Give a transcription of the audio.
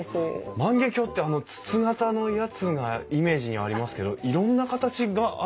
万華鏡ってあの筒形のやつがイメージにありますけどいろんな形があるんですね。